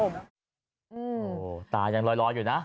โอ้โหตายังลอยอยู่นะ